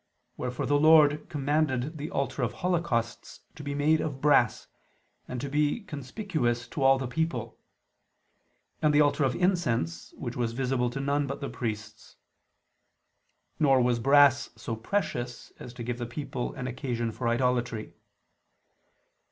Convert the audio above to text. Wherefore the Lord commanded the altar of holocausts to be made of brass, and to be conspicuous to all the people; and the altar of incense, which was visible to none but the priests. Nor was brass so precious as to give the people an occasion for idolatry.